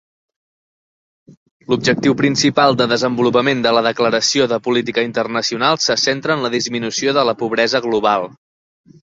L'objectiu principal de desenvolupament de la Declaració de política internacional se centra en la disminució de la pobresa global.